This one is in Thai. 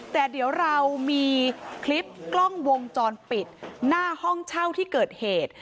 แต่เดี๋ยวเรามีคลิปกล้องวงจรปิดหน้าห้องเช่าที่เกิดเหตุ